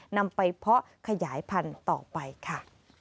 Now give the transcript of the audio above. นำไปเพาะขยายพันธุ์ต่อไปค่ะ